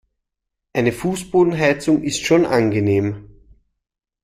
Eine Fußbodenheizung ist schon angenehm.